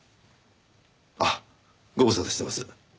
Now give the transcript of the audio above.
あっご無沙汰してます。